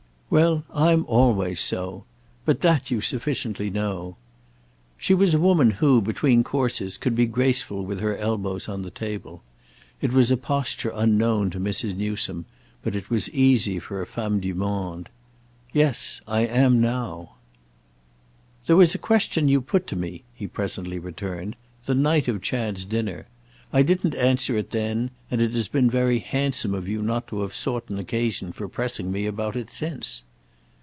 "Well, I'm always so. But that you sufficiently know." She was a woman who, between courses, could be graceful with her elbows on the table. It was a posture unknown to Mrs. Newsome, but it was easy for a femme du monde. "Yes—I am 'now'!" "There was a question you put to me," he presently returned, "the night of Chad's dinner. I didn't answer it then, and it has been very handsome of you not to have sought an occasion for pressing me about it since."